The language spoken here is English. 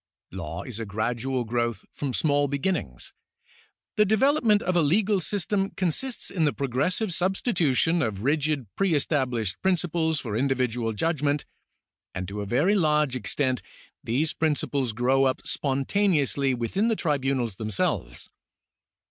Law is a gradual growth from small beginnings. The development of a legal system consists in the progressive substitution of rigid pre established principles for individual judgment, and to a very large extent these principles grow up spontaneously within the tribunals themselves.